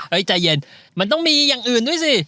ใจเย็นมันต้องมีอย่างอื่นด้วยสิ